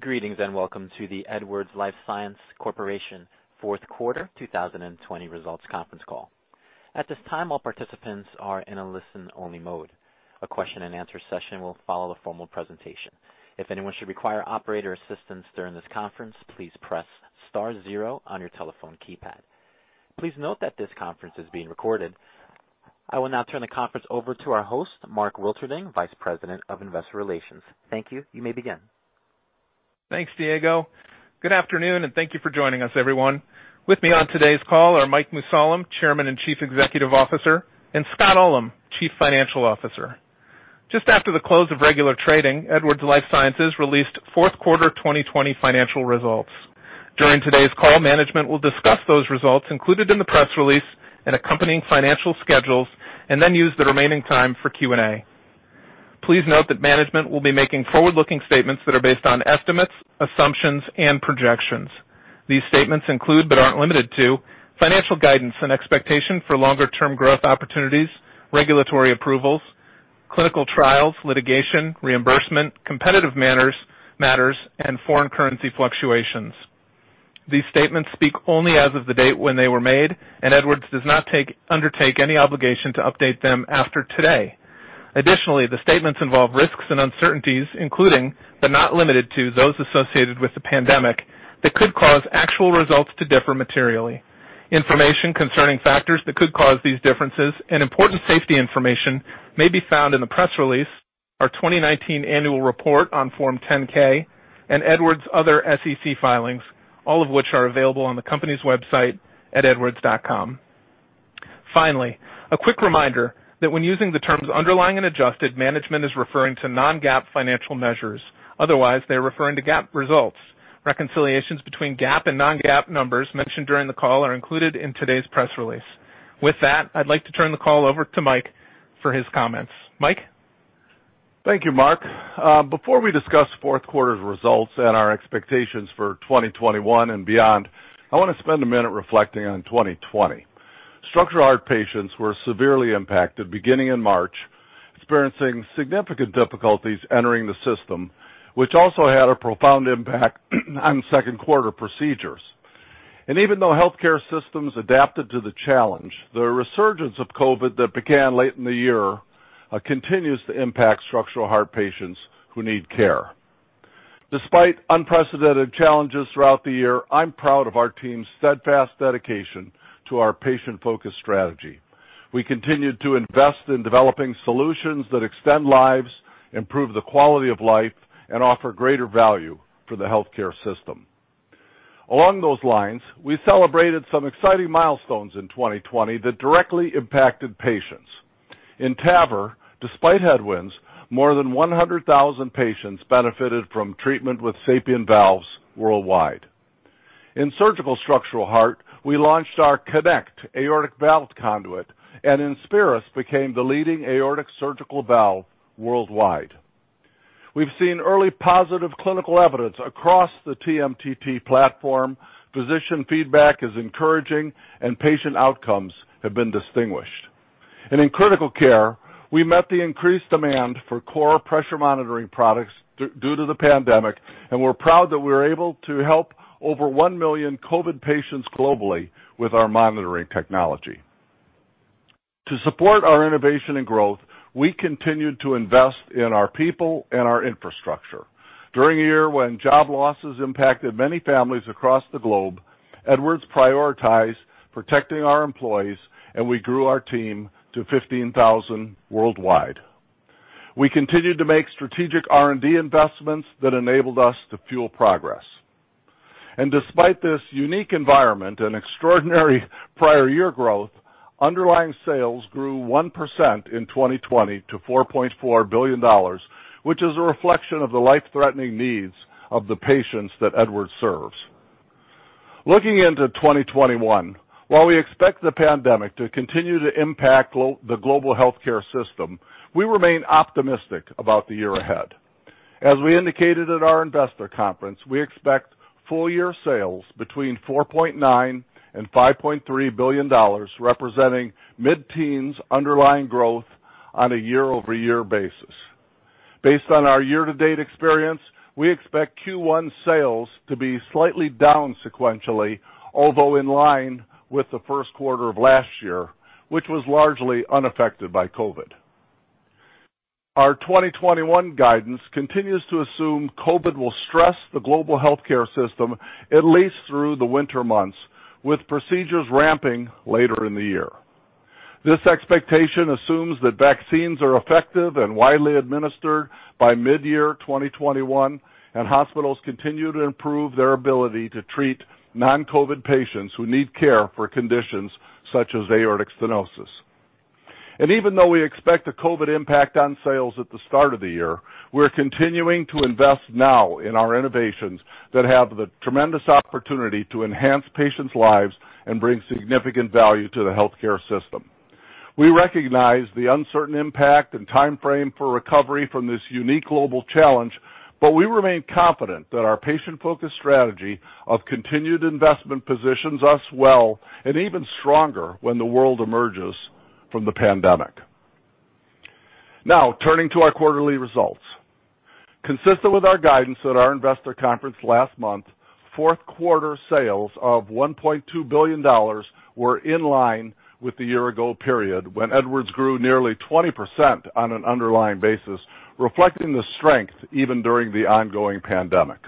Greetings, and welcome to the Edwards Lifesciences Corporation fourth quarter 2020 results conference call. At this time all participants are in listen only mode, a question and answer session will follow formal presentation. If anyone should require operator assistance in this conference, please press star zero on your telephone keypad. Please note that this conference is being recorded. I will now turn the conference over to our host, Mark Wilterding, Vice President of Investor Relations. Thank you. You may begin. Thanks, Diego. Good afternoon, and thank you for joining us, everyone. With me on today's call are Mike Mussallem, Chairman and Chief Executive Officer, and Scott Ullem, Chief Financial Officer. Just after the close of regular trading, Edwards Lifesciences released fourth quarter 2020 financial results. During today's call, management will discuss those results included in the press release and accompanying financial schedules and then use the remaining time for Q&A. Please note that management will be making forward-looking statements that are based on estimates, assumptions, and projections. These statements include, but aren't limited to, financial guidance and expectation for longer-term growth opportunities, regulatory approvals, clinical trials, litigation, reimbursement, competitive matters, and foreign currency fluctuations. These statements speak only as of the date when they were made, and Edwards does not undertake any obligation to update them after today. Additionally, the statements involve risks and uncertainties, including, but not limited to, those associated with the pandemic, that could cause actual results to differ materially. Information concerning factors that could cause these differences and important safety information may be found in the press release, our 2019 annual report on Form 10-K, and Edwards' other SEC filings, all of which are available on the company's website at edwards.com. Finally, a quick reminder that when using the terms underlying and adjusted, management is referring to non-GAAP financial measures. Otherwise, they are referring to GAAP results. Reconciliations between GAAP and non-GAAP numbers mentioned during the call are included in today's press release. With that, I'd like to turn the call over to Mike for his comments. Mike? Thank you, Mark. Before we discuss fourth quarter results and our expectations for 2021 and beyond, I want to spend a minute reflecting on 2020. Structural heart patients were severely impacted beginning in March, experiencing significant difficulties entering the system, which also had a profound impact on second quarter procedures. Even though healthcare systems adapted to the challenge, the resurgence of COVID that began late in the year continues to impact structural heart patients who need care. Despite unprecedented challenges throughout the year, I'm proud of our team's steadfast dedication to our patient-focused strategy. We continued to invest in developing solutions that extend lives, improve the quality of life, and offer greater value for the healthcare system. Along those lines, we celebrated some exciting milestones in 2020 that directly impacted patients. In TAVR, despite headwinds, more than 100,000 patients benefited from treatment with SAPIEN valves worldwide. In surgical structural heart, we launched our KONECT aortic valved conduit. INSPIRIS became the leading aortic surgical valve worldwide. We've seen early positive clinical evidence across the TMTT platform. Physician feedback is encouraging. Patient outcomes have been distinguished. In critical care, we met the increased demand for core pressure monitoring products due to the pandemic. We're proud that we were able to help over 1 million COVID patients globally with our monitoring technology. To support our innovation and growth, we continued to invest in our people and our infrastructure. During a year when job losses impacted many families across the globe, Edwards' prioritized protecting our employees. We grew our team to 15,000 worldwide. We continued to make strategic R&D investments that enabled us to fuel progress. Despite this unique environment and extraordinary prior year growth, underlying sales grew 1% in 2020 to $4.4 billion, which is a reflection of the life-threatening needs of the patients that Edwards' serves. Looking into 2021, while we expect the pandemic to continue to impact the global healthcare system, we remain optimistic about the year ahead. As we indicated at our investor conference, we expect full-year sales between $4.9 billion and $5.3 billion, representing mid-teens underlying growth on a year-over-year basis. Based on our year-to-date experience, we expect Q1 sales to be slightly down sequentially, although in line with the first quarter of last year, which was largely unaffected by COVID. Our 2021 guidance continues to assume COVID will stress the global healthcare system at least through the winter months, with procedures ramping later in the year. This expectation assumes that vaccines are effective and widely administered by mid-year 2021, and hospitals continue to improve their ability to treat non-COVID patients who need care for conditions such as aortic stenosis. Even though we expect a COVID impact on sales at the start of the year, we're continuing to invest now in our innovations that have the tremendous opportunity to enhance patients' lives and bring significant value to the healthcare system. We recognize the uncertain impact and timeframe for recovery from this unique global challenge, we remain confident that our patient-focused strategy of continued investment positions us well and even stronger when the world emerges from the pandemic. Turning to our quarterly results. Consistent with our guidance at our investor conference last month, fourth quarter sales of $1.2 billion were in line with the year-ago period, when Edwards' grew nearly 20% on an underlying basis, reflecting the strength even during the ongoing pandemic.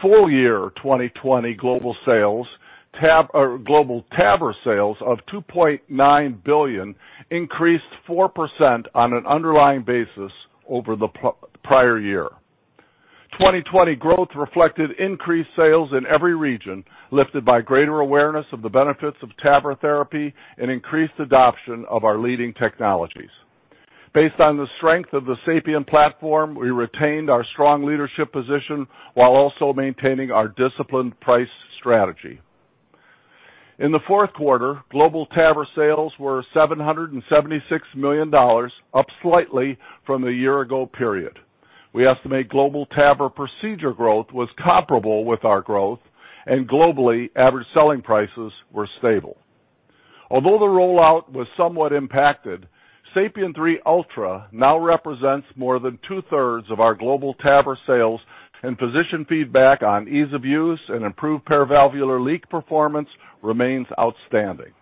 Full year 2020 global TAVR sales of $2.9 billion increased 4% on an underlying basis over the prior year. 2020 growth reflected increased sales in every region, lifted by greater awareness of the benefits of TAVR therapy and increased adoption of our leading technologies. Based on the strength of the SAPIEN platform, we retained our strong leadership position while also maintaining our disciplined price strategy. In the fourth quarter, global TAVR sales were $776 million, up slightly from the year-ago period. We estimate global TAVR procedure growth was comparable with our growth, and globally, average selling prices were stable. Although the rollout was somewhat impacted, SAPIEN 3 Ultra now represents more than two-thirds of our global TAVR sales, and physician feedback on ease of use and improved paravalvular leak performance remains outstanding.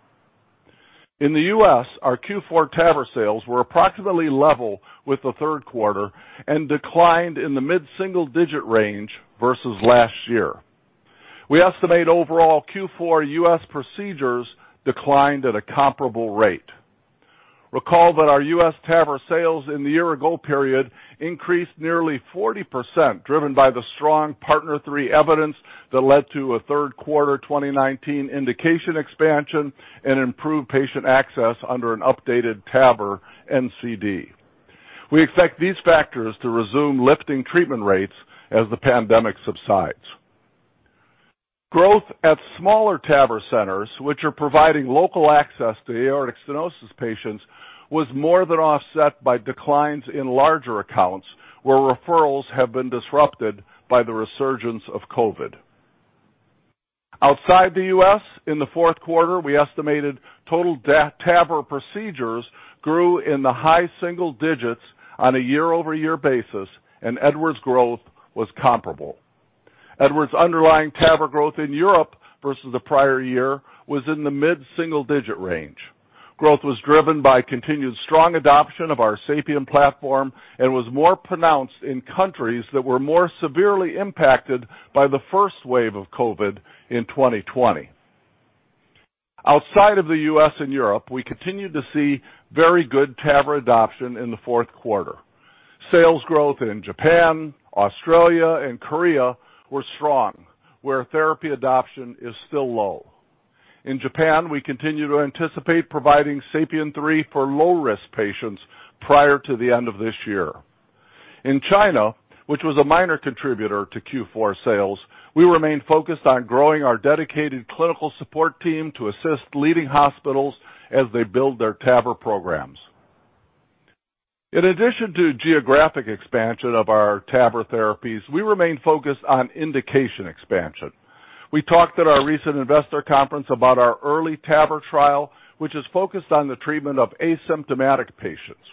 In the U.S., our Q4 TAVR sales were approximately level with the third quarter and declined in the mid-single-digit range versus last year. We estimate overall Q4 U.S. procedures declined at a comparable rate. Recall that our U.S. TAVR sales in the year-ago period increased nearly 40%, driven by the strong PARTNER 3 evidence that led to a third quarter 2019 indication expansion and improved patient access under an updated TAVR NCD. We expect these factors to resume lifting treatment rates as the pandemic subsides. Growth at smaller TAVR centers, which are providing local access to aortic stenosis patients, was more than offset by declines in larger accounts, where referrals have been disrupted by the resurgence of COVID. Outside the U.S., in the fourth quarter, we estimated total TAVR procedures grew in the high single digits on a year-over-year basis, and Edwards' growth was comparable. Edwards' underlying TAVR growth in Europe versus the prior year was in the mid-single-digit range. Growth was driven by continued strong adoption of our SAPIEN platform and was more pronounced in countries that were more severely impacted by the first wave of COVID in 2020. Outside of the U.S. and Europe, we continued to see very good TAVR adoption in the fourth quarter. Sales growth in Japan, Australia, and Korea were strong, where therapy adoption is still low. In Japan, we continue to anticipate providing SAPIEN 3 for low-risk patients prior to the end of this year. In China, which was a minor contributor to Q4 sales, we remain focused on growing our dedicated clinical support team to assist leading hospitals as they build their TAVR programs. In addition to geographic expansion of our TAVR therapies, we remain focused on indication expansion. We talked at our recent investor conference about our early TAVR trial, which is focused on the treatment of asymptomatic patients.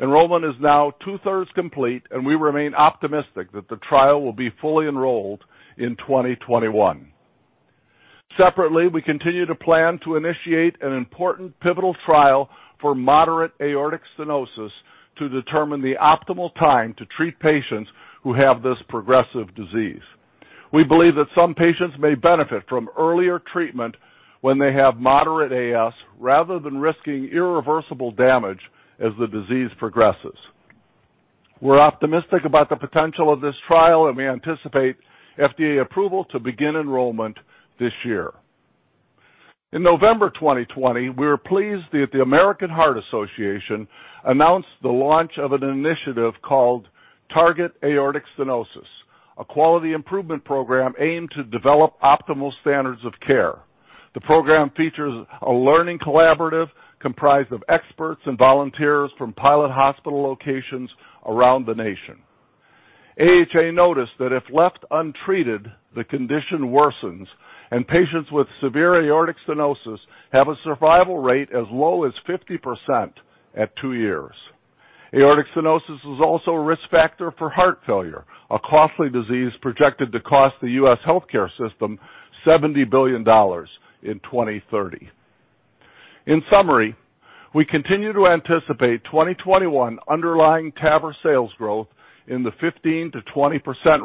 Enrollment is now two-thirds complete, we remain optimistic that the trial will be fully enrolled in 2021. Separately, we continue to plan to initiate an important pivotal trial for moderate aortic stenosis to determine the optimal time to treat patients who have this progressive disease. We believe that some patients may benefit from earlier treatment when they have moderate AS, rather than risking irreversible damage as the disease progresses. We're optimistic about the potential of this trial, and we anticipate FDA approval to begin enrollment this year. In November 2020, we were pleased that the American Heart Association announced the launch of an initiative called Target: Aortic Stenosis, a quality improvement program aimed to develop optimal standards of care. The program features a learning collaborative comprised of experts and volunteers from pilot hospital locations around the nation. AHA noticed that if left untreated, the condition worsens, and patients with severe aortic stenosis have a survival rate as low as 50% at two years. Aortic stenosis is also a risk factor for heart failure, a costly disease projected to cost the U.S. healthcare system $70 billion in 2030. In summary, we continue to anticipate 2021 underlying TAVR sales growth in the 15%-20%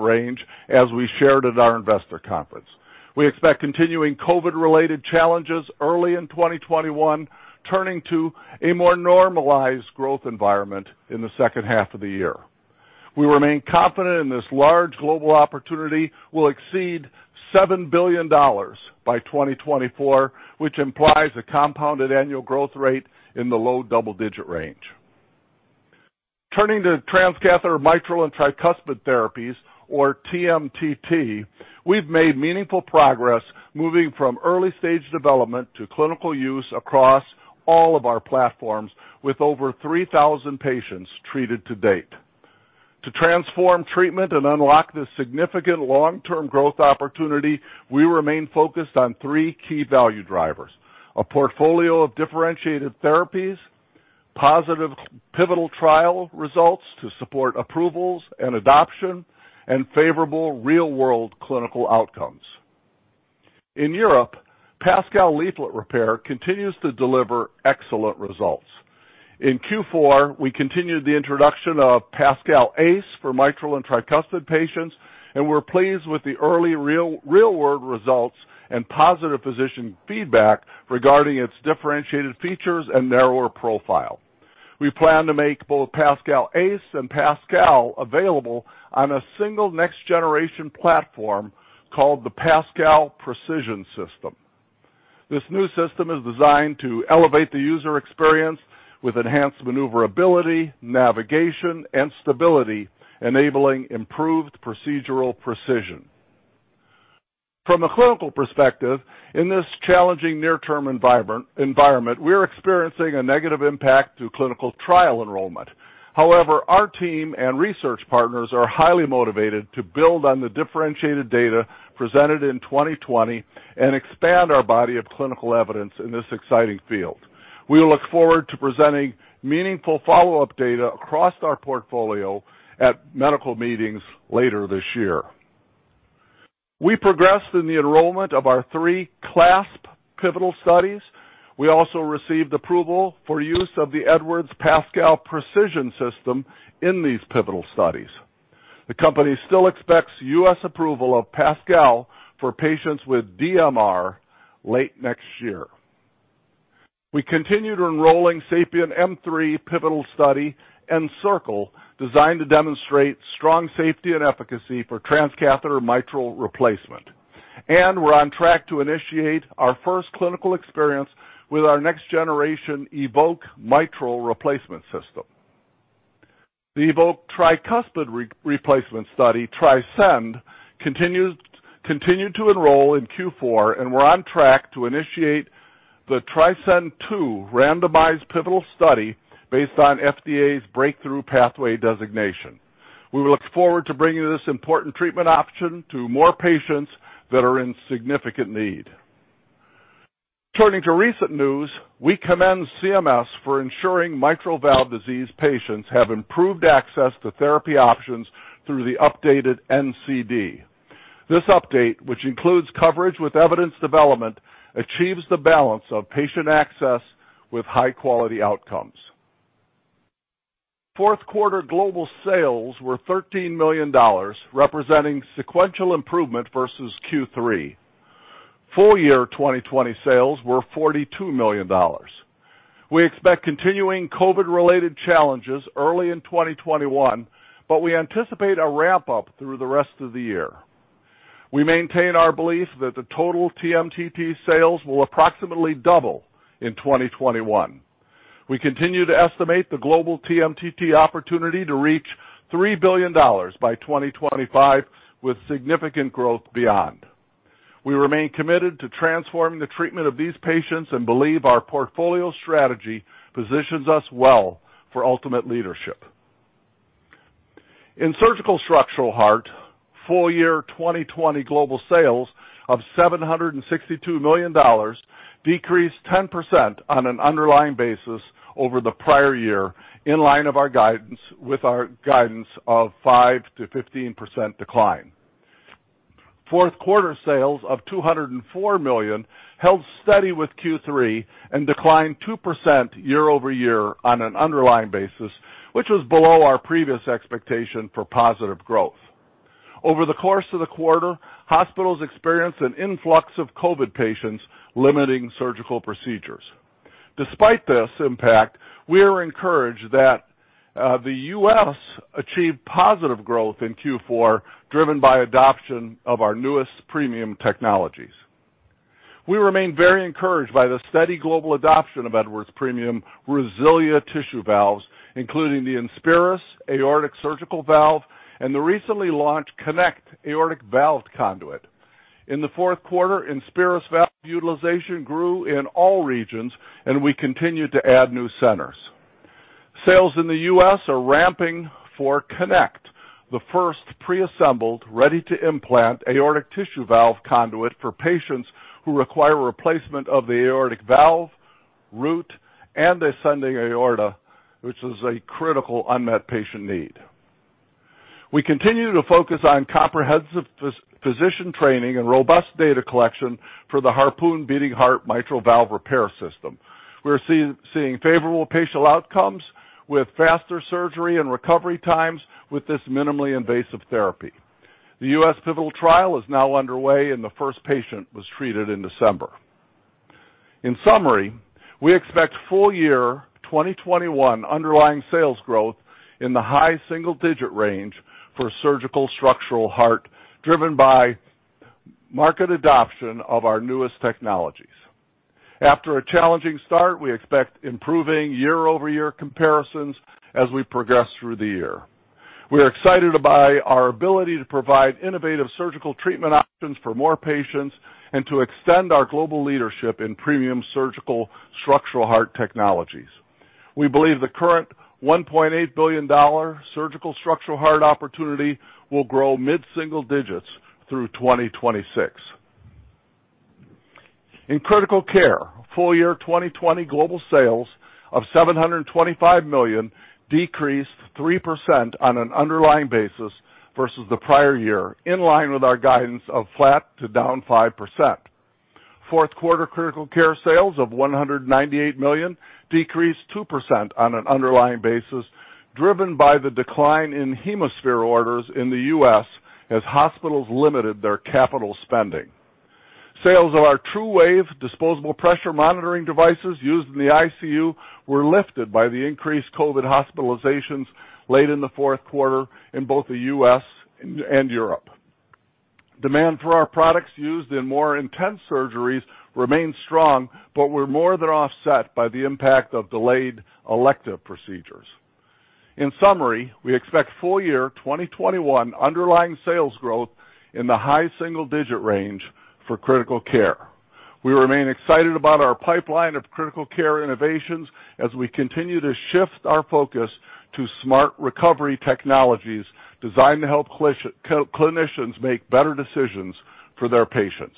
range as we shared at our investor conference. We expect continuing COVID-related challenges early in 2021, turning to a more normalized growth environment in the second half of the year. We remain confident in this large global opportunity will exceed $7 billion by 2024, which implies a compounded annual growth rate in the low double-digit range. Turning to transcatheter mitral and tricuspid therapies, or TMTT, we've made meaningful progress moving from early-stage development to clinical use across all of our platforms with over 3,000 patients treated to date. To transform treatment and unlock this significant long-term growth opportunity, we remain focused on three key value drivers: a portfolio of differentiated therapies, positive pivotal trial results to support approvals and adoption, and favorable real-world clinical outcomes. In Europe, PASCAL leaflet repair continues to deliver excellent results. In Q4, we continued the introduction of PASCAL Ace for mitral and tricuspid patients, and we're pleased with the early real-world results and positive physician feedback regarding its differentiated features and narrower profile. We plan to make both PASCAL Ace and PASCAL available on a single next-generation platform called the PASCAL Precision system. This new system is designed to elevate the user experience with enhanced maneuverability, navigation, and stability, enabling improved procedural precision. From a clinical perspective, in this challenging near-term environment, we're experiencing a negative impact to clinical trial enrollment. Our team and research partners are highly motivated to build on the differentiated data presented in 2020 and expand our body of clinical evidence in this exciting field. We look forward to presenting meaningful follow-up data across our portfolio at medical meetings later this year. We progressed in the enrollment of our three CLASP pivotal studies. We also received approval for use of the Edwards PASCAL Precision system in these pivotal studies. The company still expects U.S. approval of PASCAL for patients with DMR late next year. We continue to enrolling SAPIEN M3 pivotal study ENCIRCLE, designed to demonstrate strong safety and efficacy for transcatheter mitral replacement. We're on track to initiate our first clinical experience with our next-generation EVOQUE mitral replacement system. The EVOQUE tricuspid replacement study, TRISCEND, continued to enroll in Q4, and we're on track to initiate the TRISCEND II randomized pivotal study based on FDA's Breakthrough Pathway designation. We look forward to bringing this important treatment option to more patients that are in significant need. Turning to recent news, we commend CMS for ensuring mitral valve disease patients have improved access to therapy options through the updated NCD. This update, which includes coverage with evidence development, achieves the balance of patient access with high-quality outcomes. Fourth quarter global sales were $13 million, representing sequential improvement versus Q3. Full-year 2020 sales were $42 million. We expect continuing COVID-related challenges early in 2021, but we anticipate a ramp-up through the rest of the year. We maintain our belief that the total TMTT sales will approximately double in 2021. We continue to estimate the global TMTT opportunity to reach $3 billion by 2025, with significant growth beyond. We remain committed to transforming the treatment of these patients and believe our portfolio strategy positions us well for ultimate leadership. In Surgical Structural Heart, full-year 2020 global sales of $762 million decreased 10% on an underlying basis over the prior year, in line with our guidance of 5%-15% decline. Fourth quarter sales of $204 million held steady with Q3 and declined 2% year-over-year on an underlying basis, which was below our previous expectation for positive growth. Over the course of the quarter, hospitals experienced an influx of COVID patients, limiting surgical procedures. Despite this impact, we are encouraged that the U.S. achieved positive growth in Q4, driven by adoption of our newest premium technologies. We remain very encouraged by the steady global adoption of Edwards premium RESILIA tissue valves, including the INSPIRIS aortic surgical valve and the recently launched KONECT aortic valve conduit. In the fourth quarter, INSPIRIS valve utilization grew in all regions, we continued to add new centers. Sales in the U.S. are ramping for KONECT, the first preassembled, ready-to-implant aortic tissue valve conduit for patients who require replacement of the aortic valve, root, and ascending aorta, which is a critical unmet patient need. We continue to focus on comprehensive physician training and robust data collection for the HARPOON beating heart mitral valve repair system. We're seeing favorable patient outcomes with faster surgery and recovery times with this minimally invasive therapy. The U.S. pivotal trial is now underway, and the first patient was treated in December. In summary, we expect full-year 2021 underlying sales growth in the high single-digit range for surgical structural heart, driven by market adoption of our newest technologies. After a challenging start, we expect improving year-over-year comparisons as we progress through the year. We're excited by our ability to provide innovative surgical treatment options for more patients and to extend our global leadership in premium surgical structural heart technologies. We believe the current $1.8 billion surgical structural heart opportunity will grow mid-single digits through 2026. In critical care, full year 2020 global sales of $725 million decreased 3% on an underlying basis versus the prior year, in line with our guidance of flat to down 5%. Fourth quarter critical care sales of $198 million decreased 2% on an underlying basis, driven by the decline in HemoSphere orders in the U.S. as hospitals limited their capital spending. Sales of our TruWave disposable pressure monitoring devices used in the ICU were lifted by the increased COVID hospitalizations late in the fourth quarter in both the U.S. and Europe. Demand for our products used in more intense surgeries remained strong, but were more than offset by the impact of delayed elective procedures. In summary, we expect full year 2021 underlying sales growth in the high single-digit range for critical care. We remain excited about our pipeline of critical care innovations as we continue to shift our focus to smart recovery technologies designed to help clinicians make better decisions for their patients.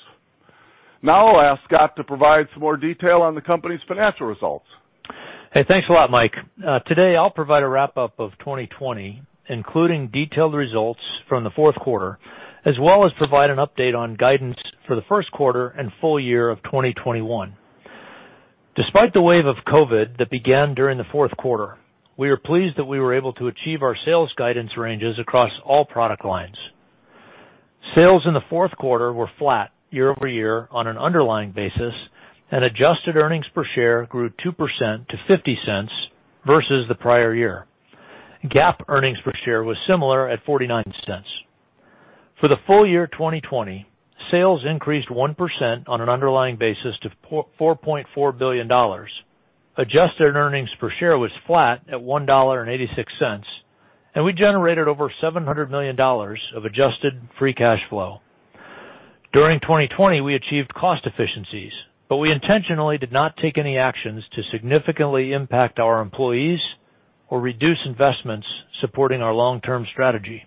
I'll ask Scott to provide some more detail on the company's financial results. Hey, thanks a lot, Mike. Today, I'll provide a wrap-up of 2020, including detailed results from the fourth quarter, as well as provide an update on guidance for the first quarter and full year of 2021. Despite the wave of COVID that began during the fourth quarter, we are pleased that we were able to achieve our sales guidance ranges across all product lines. Sales in the fourth quarter were flat year-over-year on an underlying basis, and adjusted earnings per share grew 2% to $0.50 versus the prior year. GAAP earnings per share was similar at $0.49. For the full year 2020, sales increased 1% on an underlying basis to $4.4 billion. Adjusted earnings per share was flat at $1.86, and we generated over $700 million of adjusted free cash flow. During 2020, we achieved cost efficiencies, but we intentionally did not take any actions to significantly impact our employees or reduce investments supporting our long-term strategy.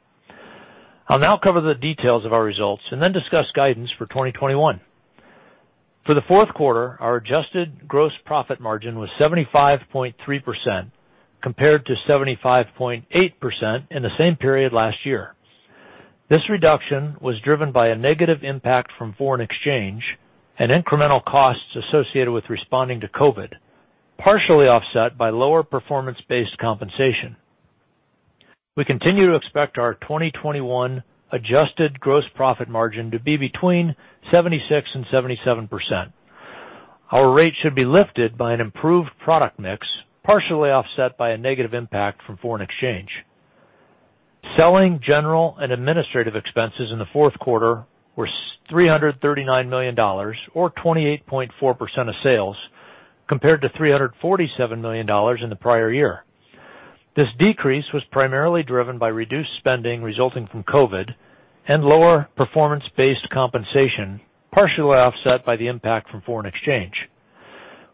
I'll now cover the details of our results and then discuss guidance for 2021. For the fourth quarter, our adjusted gross profit margin was 75.3% compared to 75.8% in the same period last year. This reduction was driven by a negative impact from foreign exchange and incremental costs associated with responding to COVID, partially offset by lower performance-based compensation. We continue to expect our 2021 adjusted gross profit margin to be between 76% and 77%. Our rate should be lifted by an improved product mix, partially offset by a negative impact from foreign exchange. Selling, general, and administrative expenses in the fourth quarter were $339 million or 28.4% of sales, compared to $347 million in the prior year. This decrease was primarily driven by reduced spending resulting from COVID and lower performance-based compensation, partially offset by the impact from foreign exchange.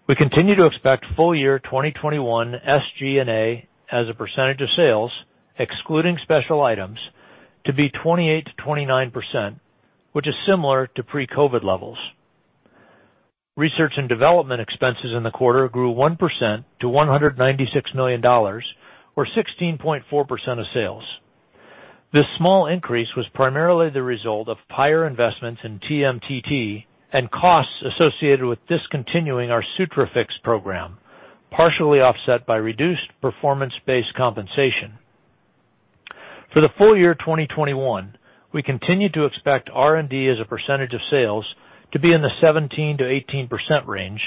We continue to expect full year 2021 SG&A as a percentage of sales, excluding special items, to be 28%-29%, which is similar to pre-COVID levels. Research and development expenses in the quarter grew 1% to $196 million, or 16.4% of sales. This small increase was primarily the result of higher investments in TMTT and costs associated with discontinuing our SUTRAFIX program, partially offset by reduced performance-based compensation. For the full year 2021, we continue to expect R&D as a percentage of sales to be in the 17%-18% range,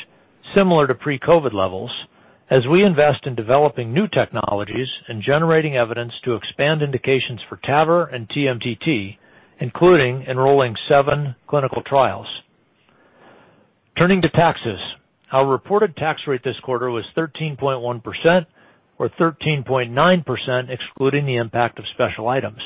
similar to pre-COVID levels, as we invest in developing new technologies and generating evidence to expand indications for TAVR and TMTT, including enrolling seven clinical trials. Turning to taxes, our reported tax rate this quarter was 13.1%, or 13.9% excluding the impact of special items.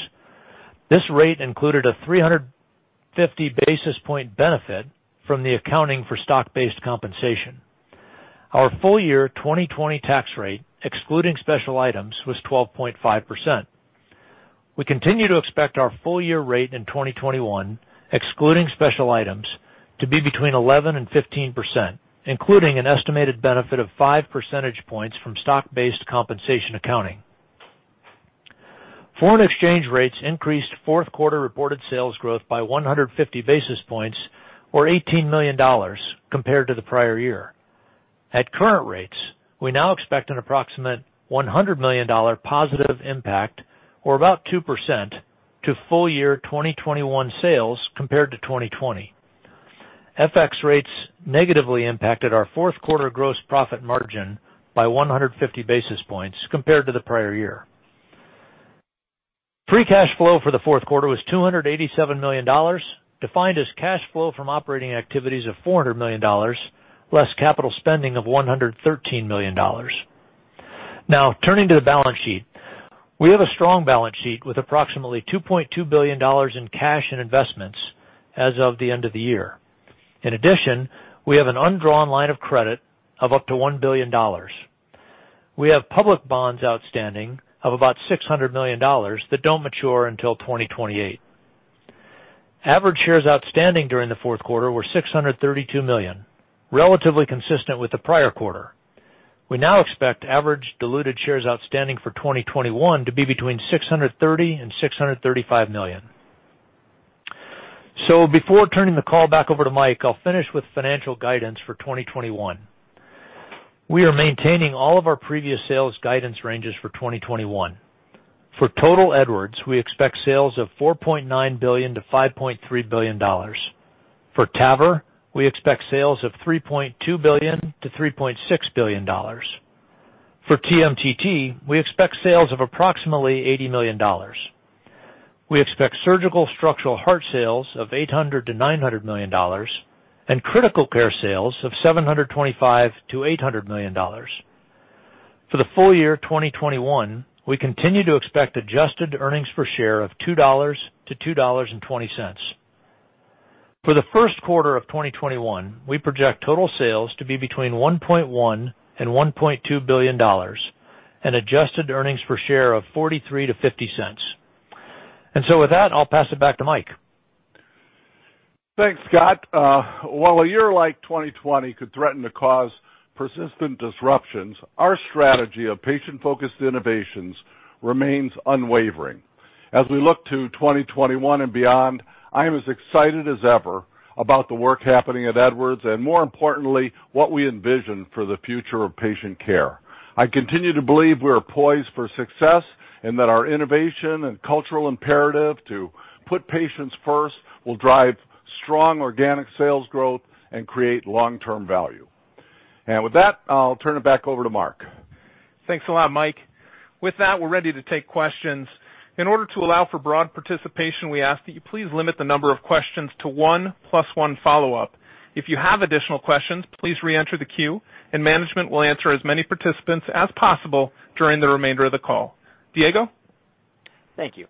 This rate included a 350 basis point benefit from the accounting for stock-based compensation. Our full year 2020 tax rate, excluding special items, was 12.5%. We continue to expect our full year rate in 2021, excluding special items, to be between 11% and 15%, including an estimated benefit of five percentage points from stock-based compensation accounting. Foreign exchange rates increased fourth quarter reported sales growth by 150 basis points or $18 million compared to the prior year. At current rates, we now expect an approximate $100 million positive impact, or about 2%, to full year 2021 sales compared to 2020. FX rates negatively impacted our fourth quarter gross profit margin by 150 basis points compared to the prior year. Free cash flow for the fourth quarter was $287 million, defined as cash flow from operating activities of $400 million, less capital spending of $113 million. Now, turning to the balance sheet. We have a strong balance sheet with approximately $2.2 billion in cash and investments as of the end of the year. In addition, we have an undrawn line of credit of up to $1 billion. We have public bonds outstanding of about $600 million that don't mature until 2028. Average shares outstanding during the fourth quarter were 632 million, relatively consistent with the prior quarter. We now expect average diluted shares outstanding for 2021 to be between 630 million and 635 million. Before turning the call back over to Mike, I'll finish with financial guidance for 2021. We are maintaining all of our previous sales guidance ranges for 2021. For total Edwards, we expect sales of $4.9 billion-5.3 billion. For TAVR, we expect sales of $3.2 billion-$3.6 billion. For TMTT, we expect sales of approximately $80 million. We expect surgical structural heart sales of $800 million-$900 million, and critical care sales of $725 million-$800 million. For the full year 2021, we continue to expect adjusted earnings per share of $2 to $2.20. For the first quarter of 2021, we project total sales to be between $1.1 billion and $1.2 billion and adjusted earnings per share of $0.43 to $0.50. With that, I'll pass it back to Mike. Thanks, Scott. While a year like 2020 could threaten to cause persistent disruptions, our strategy of patient-focused innovations remains unwavering. As we look to 2021 and beyond, I am as excited as ever about the work happening at Edwards and more importantly, what we envision for the future of patient care. I continue to believe we are poised for success and that our innovation and cultural imperative to put patients first will drive strong organic sales growth and create long-term value. With that, I'll turn it back over to Mark. Thanks a lot, Mike. With that, we're ready to take questions. In order to allow for broad participation, we ask that you please limit the number of questions to one plus one follow-up. If you have additional questions, please re-enter the queue, and management will answer as many participants as possible during the remainder of the call. Diego? Thank you.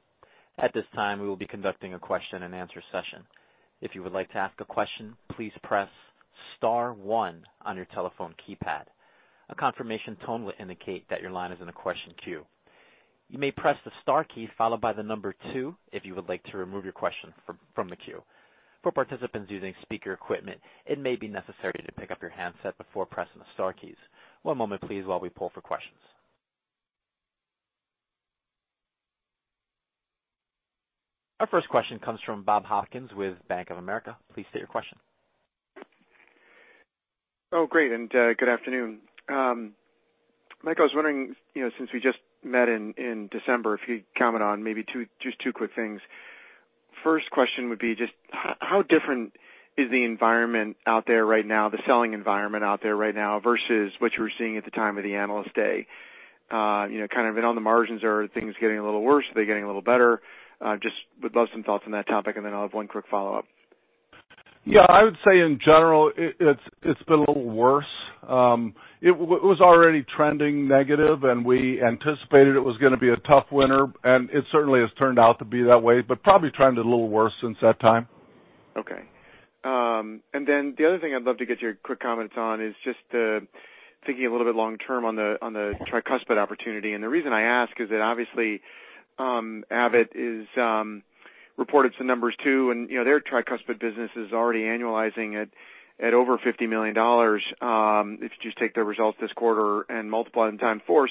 At this time we will be conducting a question and answer session. If you would like to ask a question, please press star one on your telephone keypad. A confirmation tone will indicate that your line is on the question queue. You may press the star key followed by the number two, if you would like to remove your question from the queue. For participants using speaker equipment, it may be necessary to pick up your hand set before pressing the star keys. One moment please while we pull for questions. Our first question comes from Bob Hopkins with Bank of America. Please state your question. Oh, great, and good afternoon. Mike, I was wondering, since we just met in December, if you'd comment on maybe just two quick things. First question would be just how different is the environment out there right now, the selling environment out there right now versus what you were seeing at the time of the Analyst Day? Kind of on the margins, are things getting a little worse? Are they getting a little better? Just would love some thoughts on that topic, and then I'll have one quick follow-up. Yeah, I would say in general, it's been a little worse. It was already trending negative. We anticipated it was going to be a tough winter. It certainly has turned out to be that way. Probably trended a little worse since that time. Okay. The other thing I'd love to get your quick comments on is just thinking a little bit long term on the tricuspid opportunity. The reason I ask is that obviously, Abbott has reported some numbers, too, and their tricuspid business is already annualizing at over $50 million if you just take their results this quarter and multiply them times four.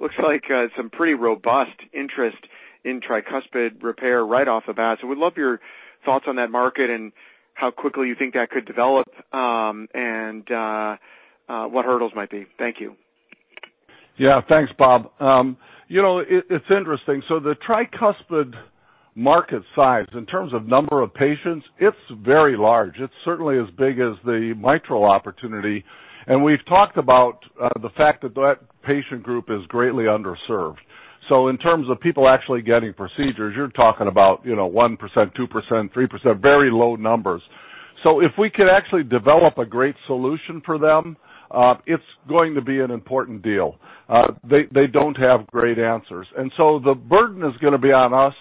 Looks like some pretty robust interest in tricuspid repair right off the bat. Would love your thoughts on that market and how quickly you think that could develop and what hurdles might be. Thank you. Thanks, Bob. It's interesting. The tricuspid market size, in terms of number of patients, it's very large. It's certainly as big as the mitral opportunity. We've talked about the fact that that patient group is greatly underserved. In terms of people actually getting procedures, you're talking about 1%, 2%, 3%, very low numbers. If we could actually develop a great solution for them, it's going to be an important deal. They don't have great answers. The burden is going to be on us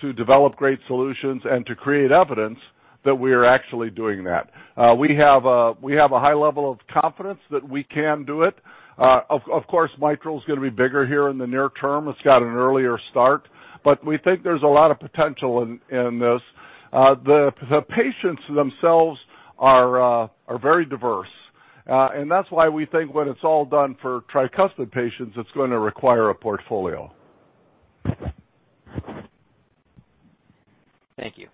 to develop great solutions and to create evidence that we are actually doing that. We have a high level of confidence that we can do it. Of course, mitral is going to be bigger here in the near term. It's got an earlier start. We think there's a lot of potential in this. The patients themselves are very diverse. That's why we think when it's all done for tricuspid patients, it's going to require a portfolio. Thank you.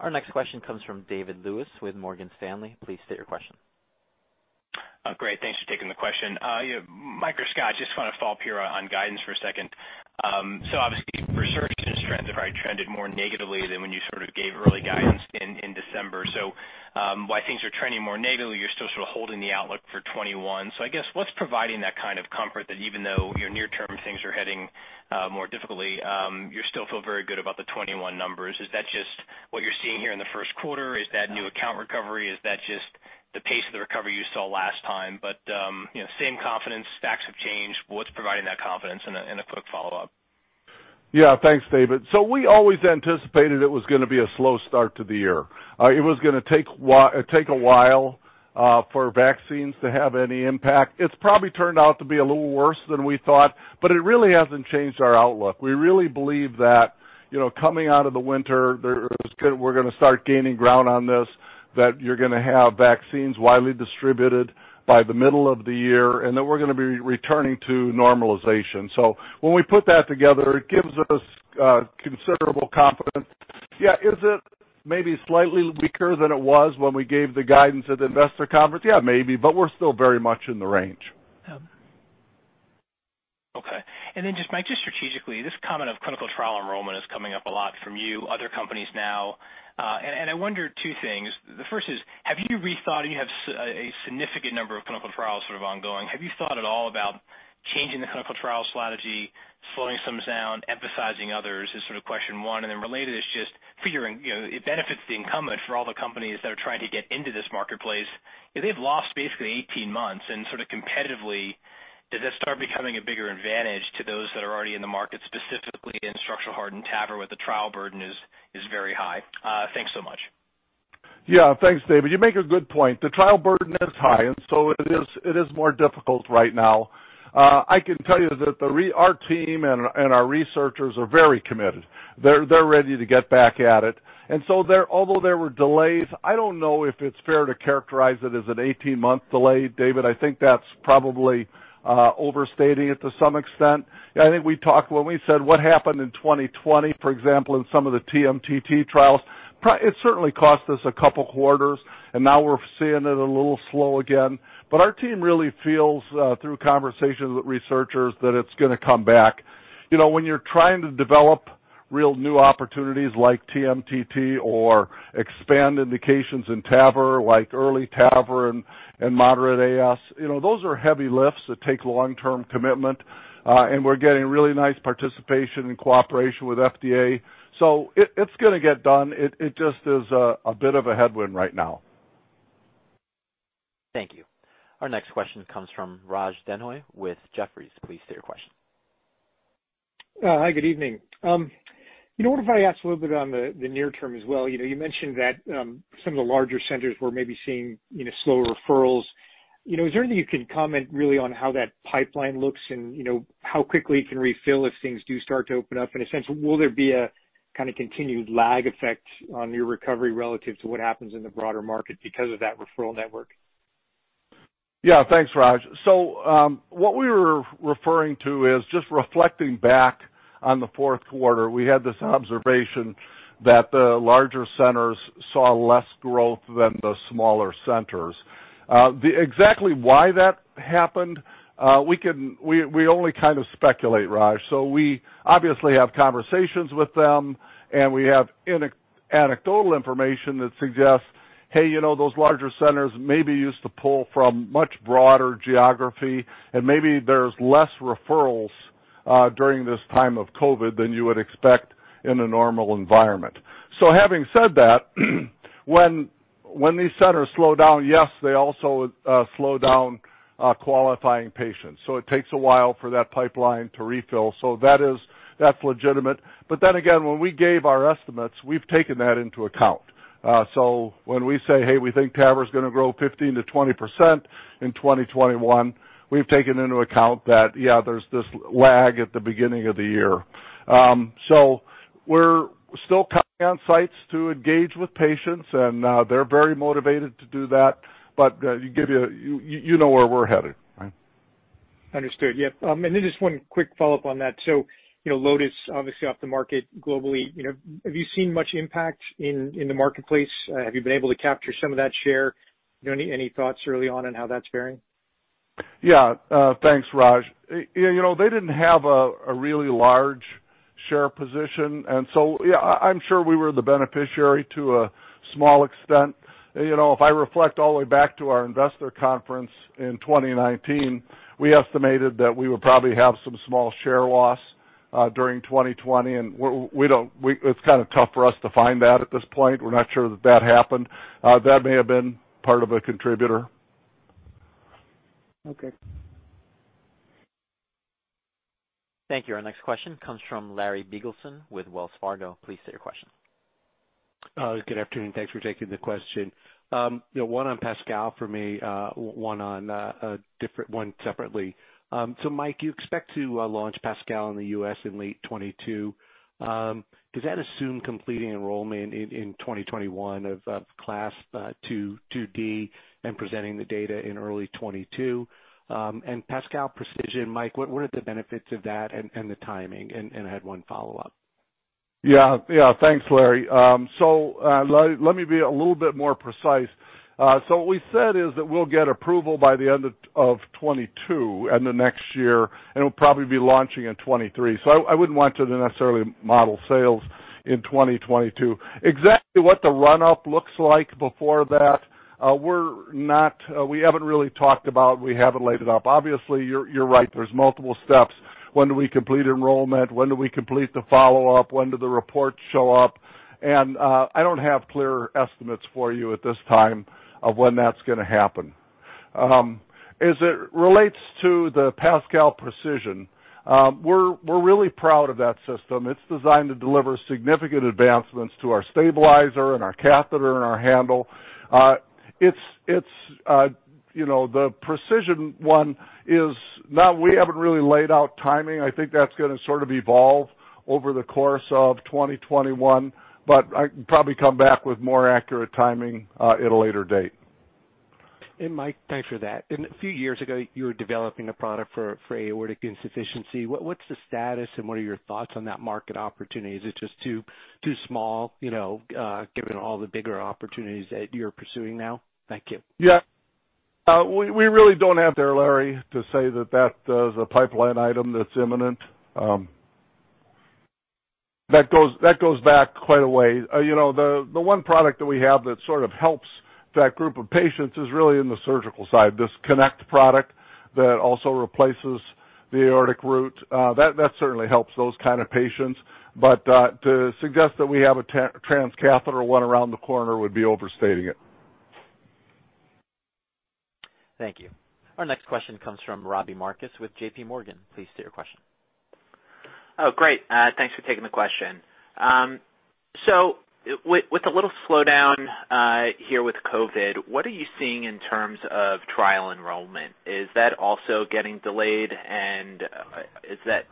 Our next question comes from David Lewis with Morgan Stanley. Please state your question. Great. Thanks for taking the question. Mike or Scott, just want to follow up here on guidance for a second. Obviously your surgeries trends have already trended more negatively than when you sort of gave early guidance in December. While things are trending more negatively, you're still sort of holding the outlook for 2021. I guess what's providing that kind of comfort that even though your near-term things are heading more difficultly, you still feel very good about the 2021 numbers? Is that just what you're seeing here in the first quarter? Is that new account recovery? Is that just the pace of the recovery you saw last time? Same confidence, facts have changed. What's providing that confidence? A quick follow-up. Yeah. Thanks, David. We always anticipated it was going to be a slow start to the year. It was going to take a while for vaccines to have any impact. It's probably turned out to be a little worse than we thought, but it really hasn't changed our outlook. We really believe that coming out of the winter, we're going to start gaining ground on this, that you're going to have vaccines widely distributed by the middle of the year, and that we're going to be returning to normalization. When we put that together, it gives us considerable confidence. Yeah. Is it maybe slightly weaker than it was when we gave the guidance at investor conference? Yeah, maybe, we're still very much in the range. Okay. Then just, Mike, just strategically, this comment of clinical trial enrollment is coming up a lot from you, other companies now. I wonder two things. The first is, you have a significant number of clinical trials sort of ongoing. Have you thought at all about changing the clinical trial strategy, slowing some down, emphasizing others? Is sort of question one. Then related is just figuring, it benefits the incumbent for all the companies that are trying to get into this marketplace. They've lost basically 18 months and sort of competitively, does that start becoming a bigger advantage to those that are already in the market, specifically in structural heart and TAVR, where the trial burden is very high? Thanks so much. Yeah. Thanks, David. You make a good point. The trial burden is high. It is more difficult right now. I can tell you that our team and our researchers are very committed. They're ready to get back at it. Although there were delays, I don't know if it's fair to characterize it as an 18-month delay, David. I think that's probably overstating it to some extent. I think when we said what happened in 2020, for example, in some of the TMTT trials, it certainly cost us a couple quarters. We're seeing it a little slow again. Our team really feels, through conversations with researchers, that it's going to come back. When you're trying to develop real new opportunities like TMTT or expand indications in TAVR, like early TAVR and moderate AS, those are heavy lifts that take long-term commitment. We're getting really nice participation and cooperation with FDA. It's going to get done. It just is a bit of a headwind right now. Thank you. Our next question comes from Raj Denhoy with Jefferies. Please state your question. Hi, good evening. I wonder if I ask a little bit on the near term as well. You mentioned that some of the larger centers were maybe seeing slower referrals. Is there anything you can comment really on how that pipeline looks and how quickly it can refill if things do start to open up? In a sense, will there be a kind of continued lag effect on your recovery relative to what happens in the broader market because of that referral network? Yeah. Thanks, Raj. What we were referring to is just reflecting back on the fourth quarter. We had this observation that the larger centers saw less growth than the smaller centers. Exactly why that happened, we only kind of speculate, Raj. We obviously have conversations with them, and we have anecdotal information that suggests, hey, those larger centers maybe used to pull from much broader geography, and maybe there's less referrals during this time of COVID than you would expect in a normal environment. Having said that when these centers slow down, yes, they also slow down qualifying patients. It takes a while for that pipeline to refill. That's legitimate. Again, when we gave our estimates, we've taken that into account. When we say, hey, we think TAVR is going to grow 15%-20% in 2021, we've taken into account that, yeah, there's this lag at the beginning of the year. We're still counting on sites to engage with patients, and they're very motivated to do that. But you know where we're headed, right? Understood. Yep. Just one quick follow-up on that. Lotus obviously off the market globally. Have you seen much impact in the marketplace? Have you been able to capture some of that share? Any thoughts early on how that's faring? Yeah. Thanks, Raj. They didn't have a really large share position, and so, yeah, I'm sure we were the beneficiary to a small extent. If I reflect all the way back to our investor conference in 2019, we estimated that we would probably have some small share loss during 2020, and it's kind of tough for us to find that at this point. We're not sure that that happened. That may have been part of a contributor. Okay. Thank you. Our next question comes from Larry Biegelsen with Wells Fargo. Please state your question. Good afternoon. Thanks for taking the question. One on PASCAL for me, one separately. Mike, you expect to launch PASCAL in the U.S. in late 2022. Does that assume completing enrollment in 2021 of CLASP IID and presenting the data in early 2022? PASCAL Precision, Mike, what are the benefits of that and the timing? I had one follow-up. Yeah. Thanks, Larry. Let me be a little bit more precise. What we said is that we'll get approval by the end of 2022 and the next year, and we'll probably be launching in 2023. I wouldn't want to necessarily model sales in 2022. Exactly what the run-up looks like before that, we haven't really talked about. We haven't laid it up. Obviously, you're right. There's multiple steps. When do we complete enrollment? When do we complete the follow-up? When do the reports show up? I don't have clear estimates for you at this time of when that's going to happen. As it relates to the PASCAL Precision, we're really proud of that system. It's designed to deliver significant advancements to our stabilizer and our catheter and our handle. We haven't really laid out timing. I think that's going to sort of evolve over the course of 2021, but I can probably come back with more accurate timing at a later date. Mike, thanks for that. A few years ago, you were developing a product for aortic insufficiency. What's the status and what are your thoughts on that market opportunity? Is it just too small given all the bigger opportunities that you're pursuing now? Thank you. Yeah. We really don't have there, Larry, to say that that is a pipeline item that's imminent. That goes back quite a way. The one product that we have that sort of helps that group of patients is really in the surgical side, this KONECT product that also replaces the aortic root. That certainly helps those kind of patients. To suggest that we have a transcatheter one around the corner would be overstating it. Thank you. Our next question comes from Robbie Marcus with JP Morgan. Please state your question. Oh, great. Thanks for taking the question. With the little slowdown here with COVID, what are you seeing in terms of trial enrollment? Is that also getting delayed and is that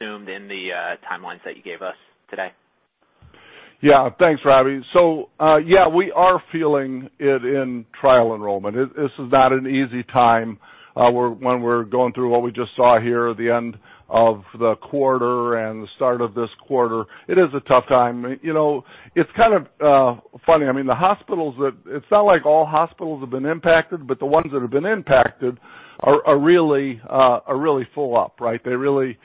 assumed in the timelines that you gave us today? Yeah. Thanks, Robbie. Yeah, we are feeling it in trial enrollment. This is not an easy time when we're going through what we just saw here at the end of the quarter and the start of this quarter. It is a tough time. It's kind of funny. It's not like all hospitals have been impacted, but the ones that have been impacted are really full up, right? They really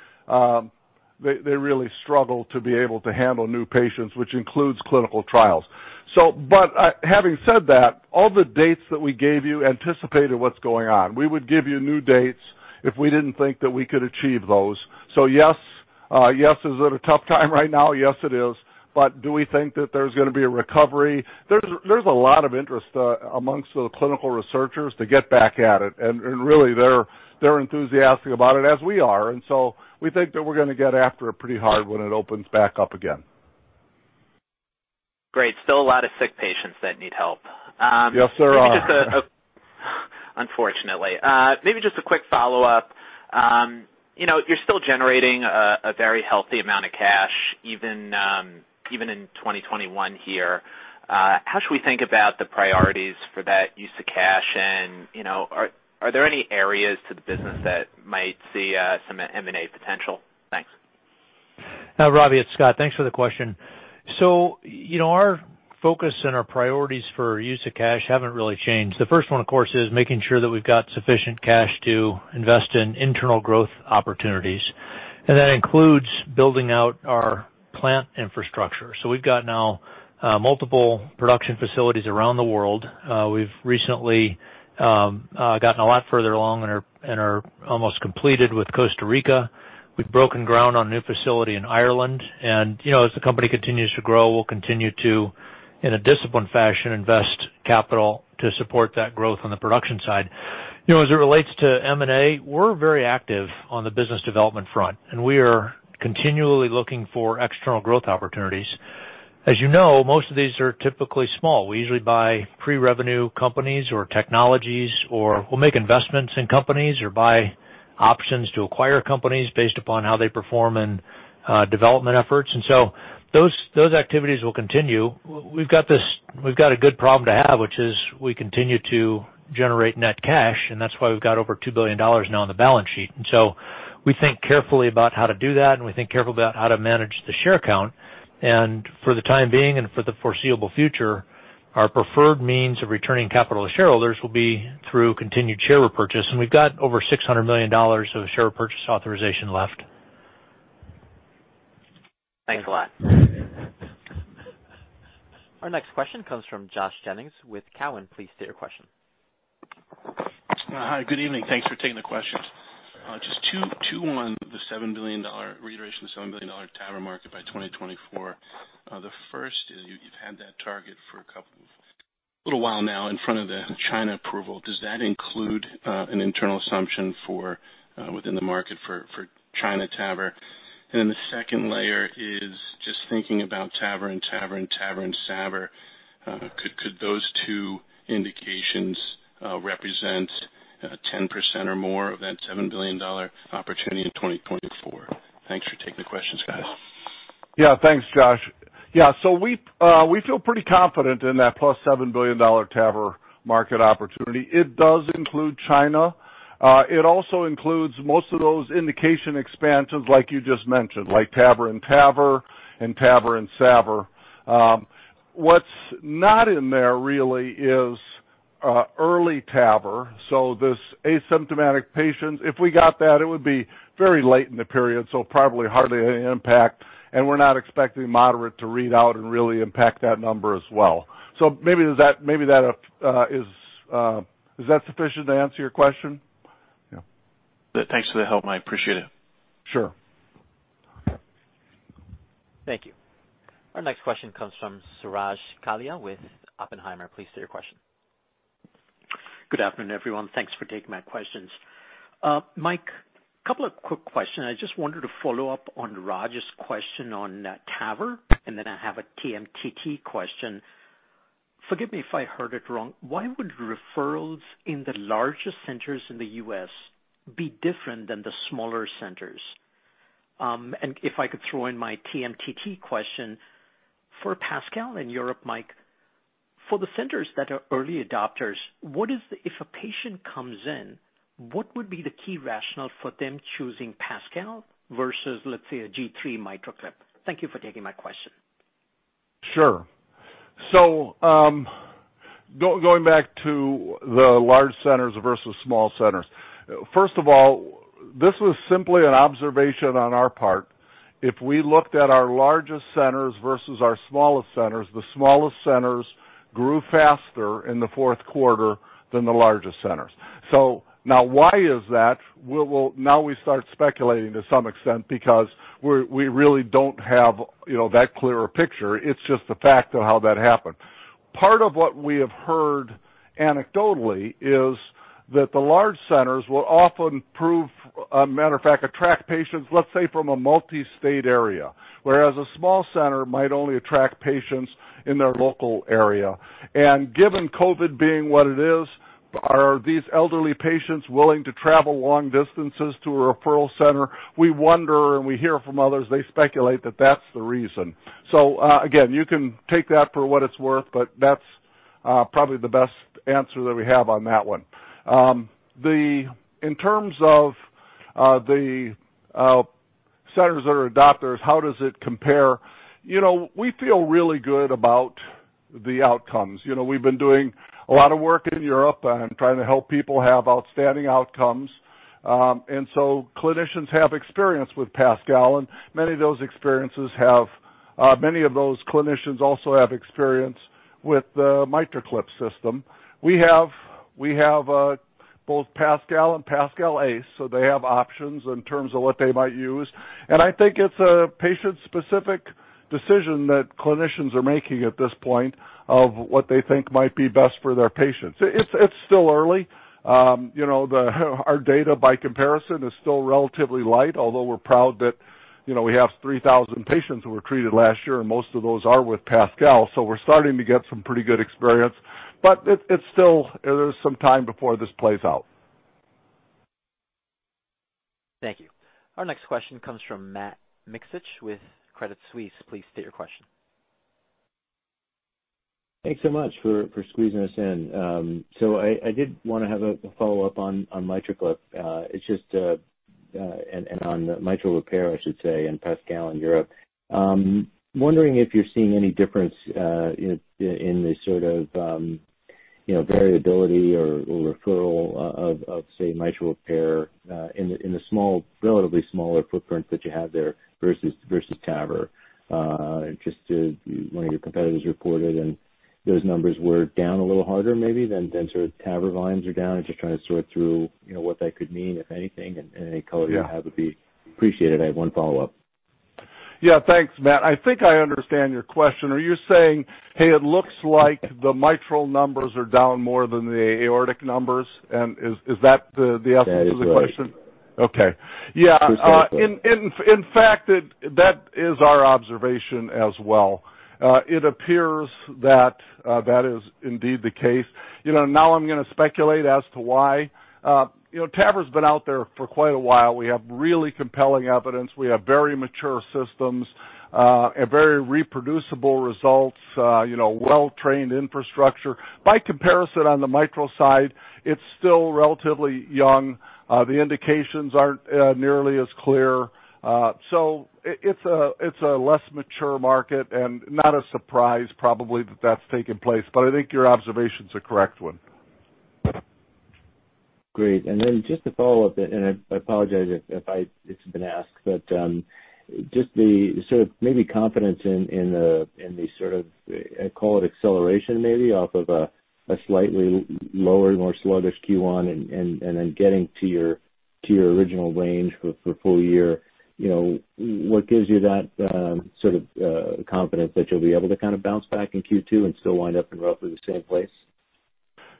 struggle to be able to handle new patients, which includes clinical trials. Having said that, all the dates that we gave you anticipated what's going on. We would give you new dates if we didn't think that we could achieve those. Yes. Is it a tough time right now? Yes, it is. Do we think that there's going to be a recovery? There's a lot of interest amongst the clinical researchers to get back at it, and really, they're enthusiastic about it as we are. We think that we're going to get after it pretty hard when it opens back up again. Great. Still a lot of sick patients that need help. Yes, there are. Unfortunately. Maybe just a quick follow-up. You're still generating a very healthy amount of cash, even in 2021 here. How should we think about the priorities for that use of cash, and are there any areas to the business that might see some M&A potential? Thanks. Robbie, it's Scott. Thanks for the question. Our focus and our priorities for use of cash haven't really changed. The first one, of course, is making sure that we've got sufficient cash to invest in internal growth opportunities, and that includes building out our plant infrastructure. We've got now multiple production facilities around the world. We've recently gotten a lot further along and are almost completed with Costa Rica. We've broken ground on a new facility in Ireland, and as the company continues to grow, we'll continue to, in a disciplined fashion, invest capital to support that growth on the production side. As it relates to M&A, we're very active on the business development front, and we are continually looking for external growth opportunities. As you know, most of these are typically small. We usually buy pre-revenue companies or technologies, or we'll make investments in companies or buy options to acquire companies based upon how they perform in development efforts. Those activities will continue. We've got a good problem to have, which is we continue to generate net cash, and that's why we've got over $2 billion now on the balance sheet. We think carefully about how to do that, and we think carefully about how to manage the share count. For the time being and for the foreseeable future, our preferred means of returning capital to shareholders will be through continued share repurchase. We've got over $600 million of share purchase authorization left. Thanks a lot. Our next question comes from Josh Jennings with Cowen. Please state your question. Hi. Good evening. Thanks for taking the questions. Just two on the reiteration of the $7 billion TAVR market by 2024. The first is you've had that target for a little while now in front of the China approval. The second layer is just thinking about TAVR and SAVR. Could those two indications represent 10% or more of that $7 billion opportunity in 2024? Thanks for taking the questions, guys. Thanks, Josh. We feel pretty confident in that +$7 billion TAVR market opportunity. It does include China. It also includes most of those indication expansions like you just mentioned, like TAVR and TAVR and TAVR and SAVR. What's not in there really is early TAVR, so this asymptomatic patient. If we got that, it would be very late in the period, so probably hardly any impact, and we're not expecting moderate to read out and really impact that number as well. Maybe is that sufficient to answer your question? Thanks for the help, Mike. Appreciate it. Sure. Thank you. Our next question comes from Suraj Kalia with Oppenheimer. Please state your question. Good afternoon, everyone. Thanks for taking my questions. Mike, couple of quick questions. I just wanted to follow up on Raj's question on TAVR, and then I have a TMTT question. Forgive me if I heard it wrong. Why would referrals in the largest centers in the U.S. be different than the smaller centers? If I could throw in my TMTT question, for PASCAL in Europe, Mike, for the centers that are early adopters, if a patient comes in, what would be the key rationale for them choosing PASCAL versus, let's say, a G3 MitraClip? Thank you for taking my question. Sure. Going back to the large centers versus small centers. First of all, this was simply an observation on our part. If we looked at our largest centers versus our smallest centers, the smallest centers grew faster in the fourth quarter than the largest centers. Now why is that? Now we start speculating to some extent because we really don't have that clear a picture. It's just the fact of how that happened. Part of what we have heard anecdotally is that the large centers will often attract patients, let's say, from a multi-state area, whereas a small center might only attract patients in their local area. Given COVID being what it is, are these elderly patients willing to travel long distances to a referral center? We wonder and we hear from others, they speculate that that's the reason. Again, you can take that for what it's worth, but that's probably the best answer that we have on that one. In terms of the centers that are adopters, how does it compare? We feel really good about the outcomes. We've been doing a lot of work in Europe and trying to help people have outstanding outcomes. Clinicians have experience with PASCAL, and many of those clinicians also have experience with the MitraClip system. We have both PASCAL and PASCAL Ace, so they have options in terms of what they might use. I think it's a patient-specific decision that clinicians are making at this point of what they think might be best for their patients. It's still early. Our data by comparison is still relatively light, although we're proud that we have 3,000 patients who were treated last year, and most of those are with PASCAL. We're starting to get some pretty good experience. It's still some time before this plays out. Thank you. Our next question comes from Matt Miksic with Credit Suisse. Please state your question. Thanks so much for squeezing us in. I did want to have a follow-up on MitraClip. And on mitral repair, I should say, and PASCAL in Europe. I'm wondering if you're seeing any difference in the sort of variability or referral of, say, mitral repair in the relatively smaller footprint that you have there versus TAVR. One of your competitors reported, and those numbers were down a little harder maybe than sort of TAVR volumes are down. I'm just trying to sort through what that could mean, if anything, and any color? You have would be appreciated. I have one follow-up. Yeah. Thanks, Matt. I think I understand your question. Are you saying, hey, it looks like the mitral numbers are down more than the aortic numbers? Is that the essence of the question? That is right. Okay. Yeah. Appreciate that. In fact, that is our observation as well. It appears that that is indeed the case. I'm going to speculate as to why. TAVR's been out there for quite a while. We have really compelling evidence. We have very mature systems, very reproducible results, well-trained infrastructure. By comparison, on the mitral side, it's still relatively young. The indications aren't nearly as clear. It's a less mature market and not a surprise probably that that's taking place. I think your observation's a correct one. Great. Just to follow up, and I apologize if it's been asked, but just the sort of maybe confidence in the sort of, call it acceleration, maybe, off of a slightly lower, more sluggish Q1 and then getting to your original range for full year, what gives you that sort of confidence that you'll be able to kind of bounce back in Q2 and still wind up in roughly the same place?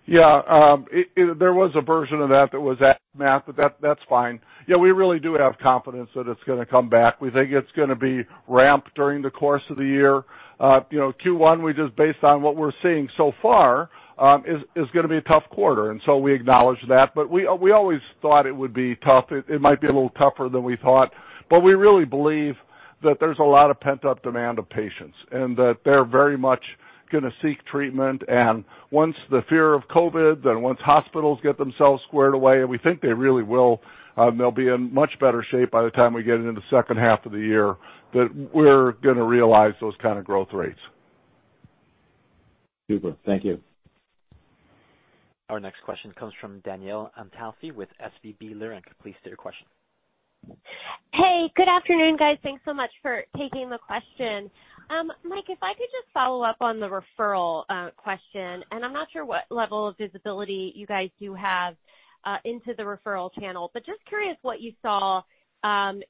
Yeah. There was a version of that that was asked, Matt. That's fine. Yeah, we really do have confidence that it's going to come back. We think it's going to be ramped during the course of the year. Q1, just based on what we're seeing so far, is going to be a tough quarter. We acknowledge that. We always thought it would be tough. It might be a little tougher than we thought. We really believe that there's a lot of pent-up demand of patients, that they're very much going to seek treatment. Once the fear of COVID, and once hospitals get themselves squared away, and we think they really will, they'll be in much better shape by the time we get into the second half of the year, that we're going to realize those kind of growth rates. Super. Thank you. Our next question comes from Danielle Antalffy with SVB Leerink. Please state your question. Hey, good afternoon, guys. Thanks so much for taking the question. Mike, if I could just follow up on the referral question. I'm not sure what level of visibility you guys do have into the referral channel. Just curious what you saw in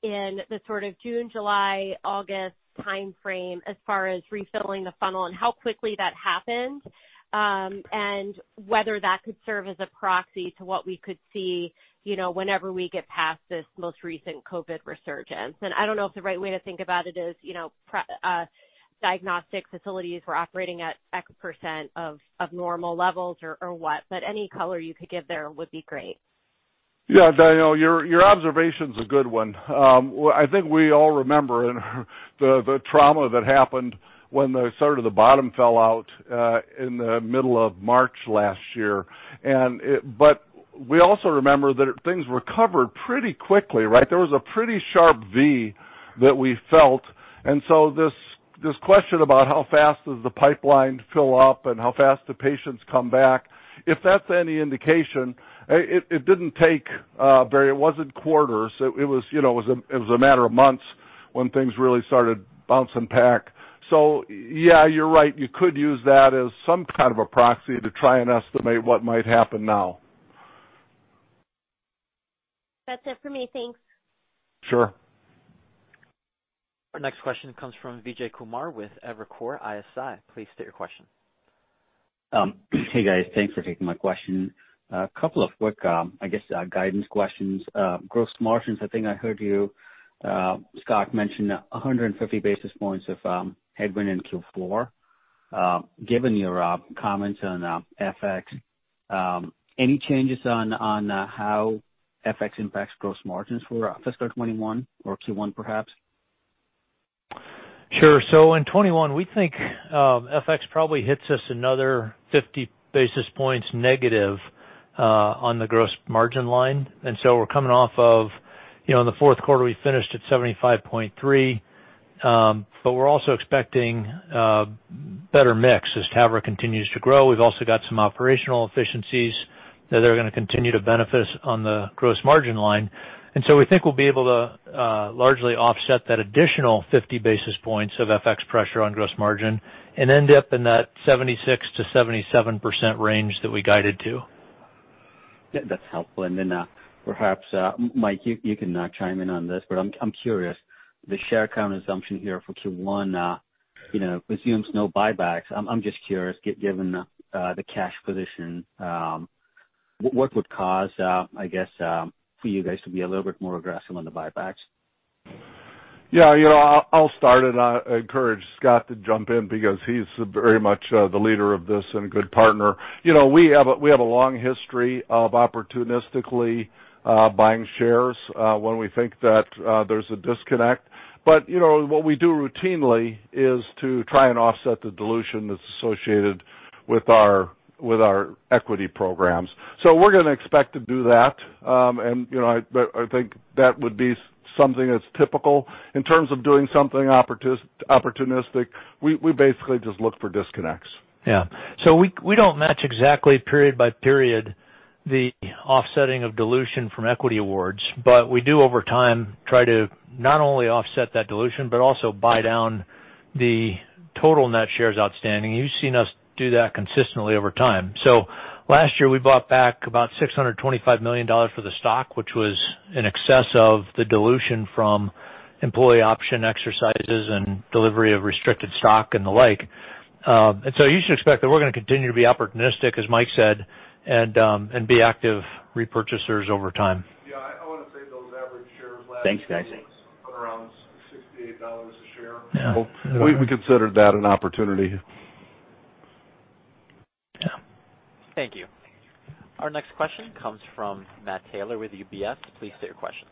the sort of June, July, August timeframe as far as refilling the funnel and how quickly that happened, and whether that could serve as a proxy to what we could see whenever we get past this most recent COVID resurgence. I don't know if the right way to think about it is diagnostic facilities were operating at X% of normal levels or what. Any color you could give there would be great. Yeah, Danielle, your observation's a good one. I think we all remember the trauma that happened when the sort of the bottom fell out in the middle of March last year. We also remember that things recovered pretty quickly, right? There was a pretty sharp V that we felt. This question about how fast does the pipeline fill up and how fast the patients come back, if that's any indication, it didn't take. It wasn't quarters. It was a matter of months when things really started bouncing back. Yeah, you're right. You could use that as some kind of a proxy to try and estimate what might happen now. That's it for me. Thanks. Sure. Our next question comes from Vijay Kumar with Evercore ISI. Please state your question. Hey, guys. Thanks for taking my question. A couple of quick, I guess, guidance questions. Gross margins, I think I heard you, Scott, mention 150 basis points of headwind in Q4. Given your comments on FX, any changes on how FX impacts gross margins for fiscal 2021 or Q1 perhaps? In 2021, we think FX probably hits us another 50 basis points negative on the gross margin line. In the fourth quarter, we finished at 75.3%, but we're also expecting better mix as TAVR continues to grow. We've also got some operational efficiencies that are going to continue to benefit on the gross margin line. We think we'll be able to largely offset that additional 50 basis points of FX pressure on gross margin and end up in that 76%-77% range that we guided to. That's helpful. Then perhaps, Mike, you can chime in on this, but I'm curious. The share count assumption here for Q1 assumes no buybacks. I'm just curious, given the cash position, what would cause, I guess, for you guys to be a little bit more aggressive on the buybacks? Yeah. I'll start, and I encourage Scott to jump in because he's very much the leader of this and a good partner. What we do routinely is to try and offset the dilution that's associated with our equity programs. We're going to expect to do that. I think that would be something that's typical. In terms of doing something opportunistic, we basically just look for disconnects. Yeah. We don't match exactly period by period the offsetting of dilution from equity awards. We do over time try to not only offset that dilution, but also buy down the total net shares outstanding. You've seen us do that consistently over time. Last year, we bought back about $625 million for the stock, which was in excess of the dilution from employee option exercises and delivery of restricted stock and the like. You should expect that we're going to continue to be opportunistic, as Mike said, and be active repurchasers over time. Thanks, guys. We considered that an opportunity. Yeah. Thank you. Our next question comes from Matt Taylor with UBS. Please state your question.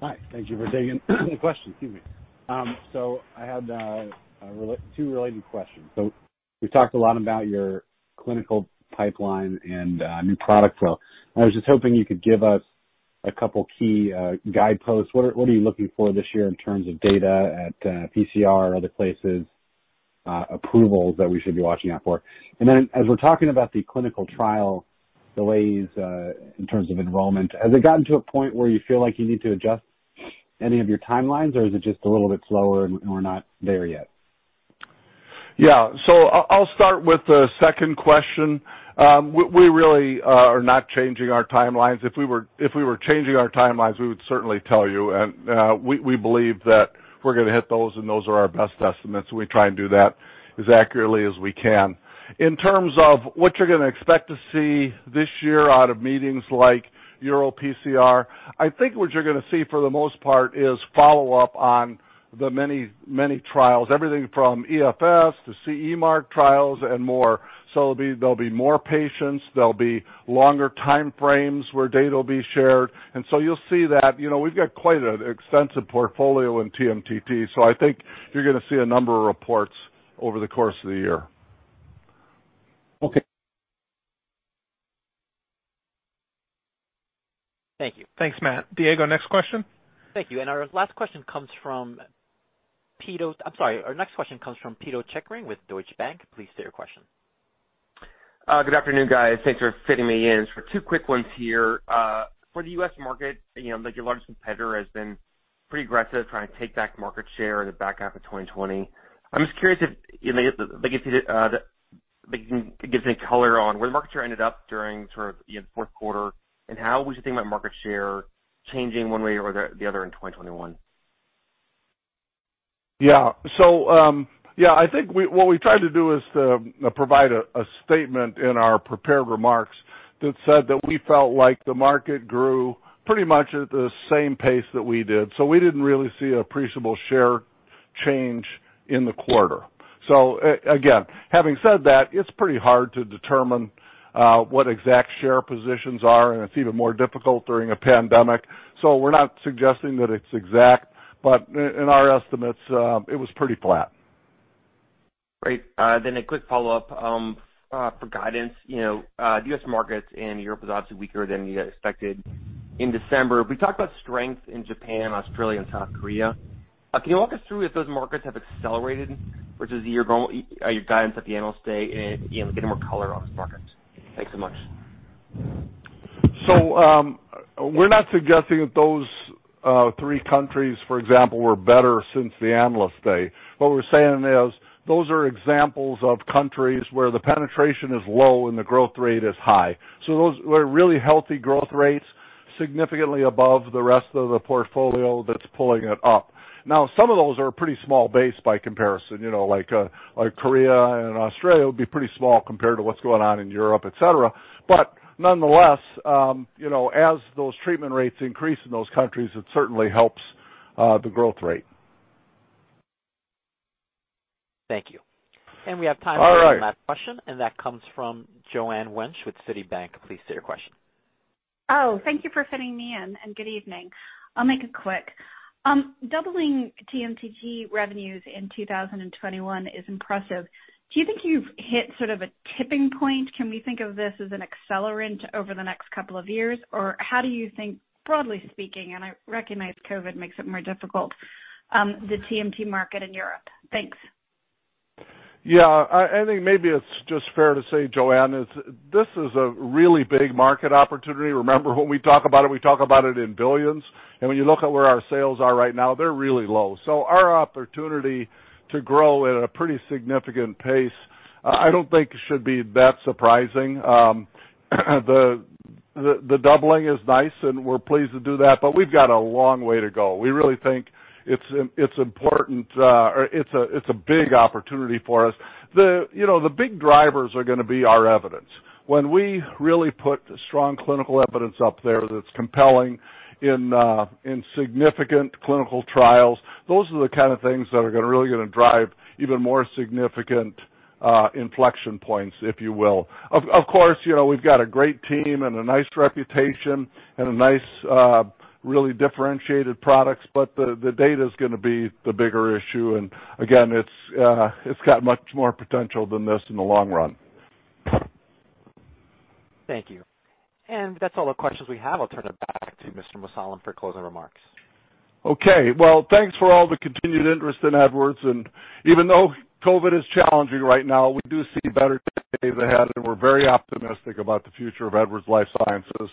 Hi. Thank you for taking the question. Excuse me. I had two related questions. We've talked a lot about your clinical pipeline and new product. I was just hoping you could give us a couple key guideposts. What are you looking for this year in terms of data at PCR, other places, approvals that we should be watching out for? As we're talking about the clinical trial delays in terms of enrollment, has it gotten to a point where you feel like you need to adjust any of your timelines, or is it just a little bit slower and we're not there yet? Yeah. I'll start with the second question. We really are not changing our timelines. If we were changing our timelines, we would certainly tell you. We believe that we're going to hit those, and those are our best estimates. We try and do that as accurately as we can. In terms of what you're going to expect to see this year out of meetings like EuroPCR, I think what you're going to see for the most part is follow-up on the many trials, everything from EFS to CE Mark trials and more. There'll be more patients, there'll be longer time frames where data will be shared, you'll see that. We've got quite an extensive portfolio in TMTT, so I think you're going to see a number of reports over the course of the year. Okay. Thank you. Thanks, Matt. Diego, next question? Thank you. Our next question comes from Pito Chickering with Deutsche Bank. Please state your question. Good afternoon, guys. Thanks for fitting me in. For two quick ones here. For the U.S. market, your largest competitor has been pretty aggressive trying to take back market share in the back half of 2020. I'm just curious if you can give any color on where the market share ended up during sort of fourth quarter, and how we should think about market share changing one way or the other in 2021. Yeah. I think what we tried to do is to provide a statement in our prepared remarks that said that we felt like the market grew pretty much at the same pace that we did. We didn't really see appreciable share change in the quarter. Again, having said that, it's pretty hard to determine what exact share positions are, and it's even more difficult during a pandemic. We're not suggesting that it's exact, but in our estimates, it was pretty flat. Great. A quick follow-up for guidance. The U.S. market and Europe was obviously weaker than you guys expected in December. We talked about strength in Japan, Australia, and South Korea. Can you walk us through if those markets have accelerated versus your guidance at the Analyst Day and get more color on those markets? Thanks so much. We're not suggesting that those three countries, for example, were better since the Analyst Day. What we're saying is, those are examples of countries where the penetration is low and the growth rate is high. Those were really healthy growth rates, significantly above the rest of the portfolio that's pulling it up. Some of those are pretty small base by comparison, like Korea and Australia would be pretty small compared to what's going on in Europe, et cetera. Nonetheless, as those treatment rates increase in those countries, it certainly helps the growth rate. Thank you. All right. We have time for one last question, and that comes from Joanne Wuensch with Citi. Please state your question. Oh, thank you for fitting me in, and good evening. I'll make it quick. Doubling TMTT revenues in 2021 is impressive. Do you think you've hit sort of a tipping point? Can we think of this as an accelerant over the next couple of years? How do you think, broadly speaking, and I recognize COVID makes it more difficult, the TMTT market in Europe? Thanks. I think maybe it's just fair to say, Joanne, this is a really big market opportunity. Remember, when we talk about it, we talk about it in billions. When you look at where our sales are right now, they're really low. Our opportunity to grow at a pretty significant pace, I don't think should be that surprising. The doubling is nice, and we're pleased to do that, but we've got a long way to go. We really think it's important, or it's a big opportunity for us. The big drivers are going to be our evidence. When we really put strong clinical evidence up there that's compelling in significant clinical trials, those are the kind of things that are really going to drive even more significant inflection points, if you will. Of course, we've got a great team and a nice reputation and a nice, really differentiated products, but the data's going to be the bigger issue. Again, it's got much more potential than this in the long run. Thank you. That's all the questions we have. I'll turn it back to Mr. Mussallem for closing remarks. Well, thanks for all the continued interest in Edwards, and even though COVID is challenging right now, we do see better days ahead, and we're very optimistic about the future of Edwards Lifesciences.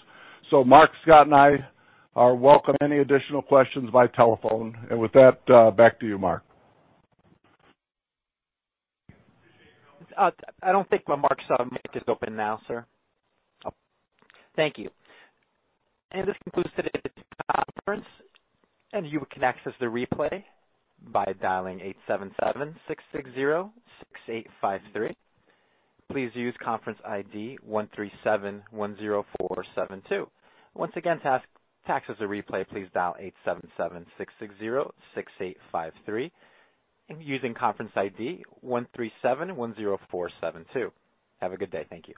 Mark, Scott, and I welcome any additional questions by telephone. With that, back to you, Mark. I don't think my mark is open now, sir. Oh, thank you. And this concludes today's conference, and you can access the replay by dialing 877-660-6853. Please use conference ID 13710472. Once again, to access the replay, please dial 877-660-6853 and using conference ID 13710472. Have a good day. Thank you.